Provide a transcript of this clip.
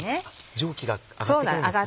蒸気が上がってくるんですね。